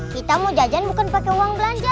kita mau jajan bukan pakai uang belanja